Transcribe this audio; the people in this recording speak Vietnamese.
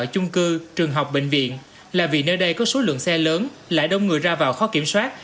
chung cư trường học bệnh viện là vì nơi đây có số lượng xe lớn lại đông người ra vào khó kiểm soát